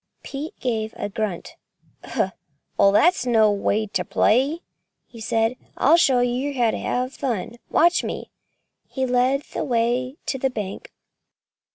Pete gave a grunt. "That's no way ter play," he said. "I'll show yer how ter have fun. Watch me!" He led the way to the bank.